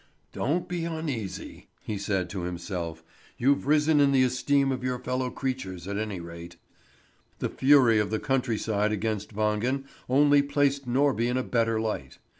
"Don't be uneasy!" he said to himself, "you've risen in the esteem of your fellow creatures at any rate." The fury of the country side against Wangen only placed Norby in a better light.